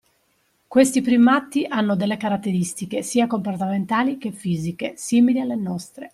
Questi primati hanno delle caratteristiche sia comportamentali che fisiche simili alle nostre.